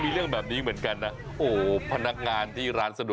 ขี้ฉันว่าถ้าเกิดว่าประตูอัตโนมัล